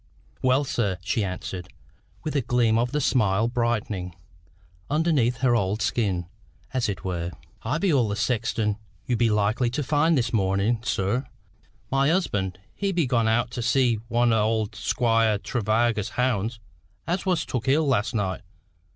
"Well, sir," she answered, with a gleam of the smile brightening underneath her old skin, as it were, "I be all the sexton you be likely to find this mornin', sir. My husband, he be gone out to see one o' Squire Tregarva's hounds as was took ill last night.